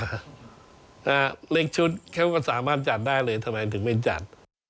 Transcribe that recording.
เอ่อเลขชุดผิวสามารถจัดได้เลยทำไมถึงไม่จัด